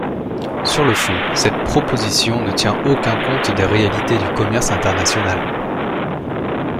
Sur le fond, cette proposition ne tient aucun compte des réalités du commerce international.